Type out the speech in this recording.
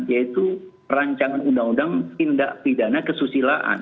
yaitu rancangan undang undang tindak pidana kesusilaan